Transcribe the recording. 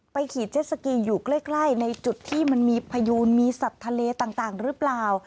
ขี่เจ็ดสกีอยู่ใกล้ในจุดที่มันมีพยูนมีสัตว์ทะเลต่างหรือเปล่า